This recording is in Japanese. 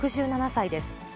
６７歳です。